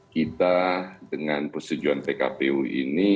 kita dengan persetujuan pkpu ini